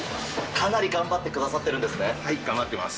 かなり頑張ってくださってるはい、頑張ってます。